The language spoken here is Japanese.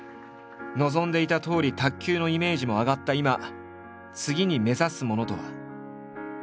望んでいたとおり卓球のイメージも上がった今次に目指すものとは。